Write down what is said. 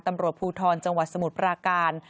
ตำรวจภูทรจังหวัดสมุทรปราการ